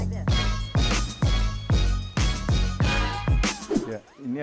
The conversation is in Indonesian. ini adalah beberapa jenis makanan yang saya konsumsikan